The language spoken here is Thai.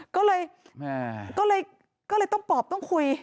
ก็เลยต้องปอบต้องคุย